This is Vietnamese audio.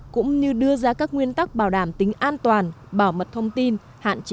cũng như được quy định ngay trong luật